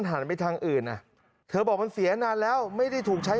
เหยียบถ้าชวนลูกไอ้นี่ก็เลยเหยียบลูกแล้วก็ดีกว่า